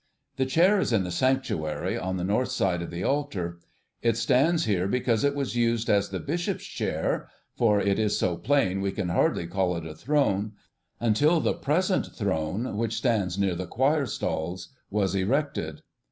The chair is in the sanctuary, on the north side of the altar. It stands here because it was used as the Bishop's chair (for it is so plain we can hardly call it a throne) until the present throne, which stands near the choir stalls, was erected.